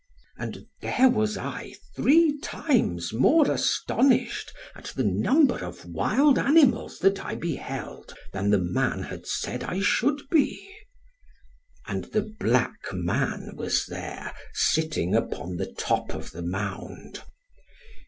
And there was I three times more astonished at the number of wild animals that I beheld, than the man had said I should be. And the black man was there, sitting upon the top of the mound.